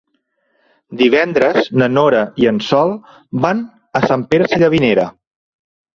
Divendres na Nora i en Sol van a Sant Pere Sallavinera.